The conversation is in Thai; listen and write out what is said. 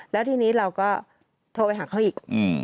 แล้วทีนี้เราก็โทรไปหาเขาอีก